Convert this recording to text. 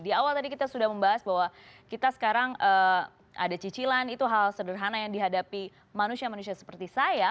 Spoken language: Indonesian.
di awal tadi kita sudah membahas bahwa kita sekarang ada cicilan itu hal sederhana yang dihadapi manusia manusia seperti saya